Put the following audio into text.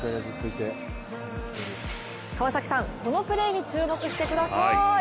川崎さん、このプレーに注目してください。